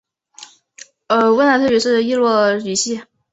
温达特语属于易洛魁语系。